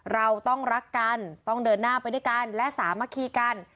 เราต้องรักกันต้องเดินหน้าไปด้วยกันและสามัคคีกัน